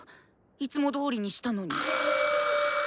いつもどおりにしたのに。